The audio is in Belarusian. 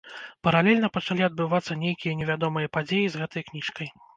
Паралельна пачалі адбывацца нейкія невядомыя падзеі з гэтай кніжкай.